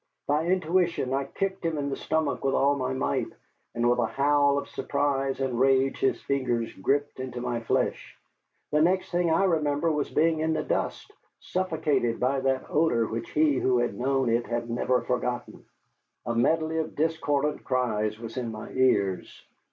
By intuition I kicked him in the stomach with all my might, and with a howl of surprise and rage his fingers gripped into my flesh. The next thing I remember was being in the dust, suffocated by that odor which he who has known it can never forget. A medley of discordant cries was in my ears.